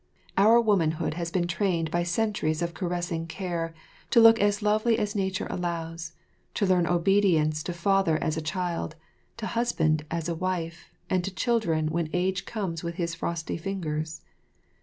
Our womanhood has been trained by centuries of caressing care to look as lovely as nature allows, to learn obedience to father as a child, to husband as a wife, and to children when age comes with his frosty fingers.